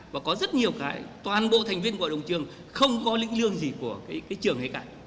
và có rất nhiều cái toàn bộ thành viên hội đồng trường không có lĩnh lương gì của cái trường này cả